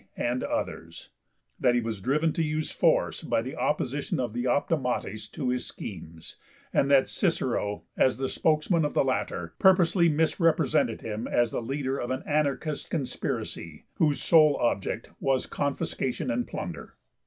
and others); that he was driven to use force by the opposition of the Optimates to his schemes, and that Cicero, as the spokesman of the latter, purposely misrepresented him as the leader of an anarchist conspiracy, whose sole object was confiscation and plunder.